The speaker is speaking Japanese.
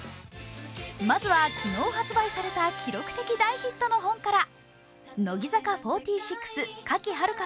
まずは昨日発売された記録的大ヒットの本から。